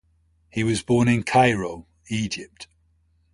He was born in Cairo, Egypt.